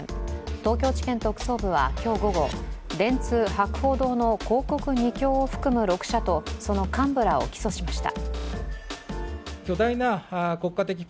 東京地検特捜部は今日午後、電通、博報堂の広告２強を含む６社とその幹部らを起訴しました。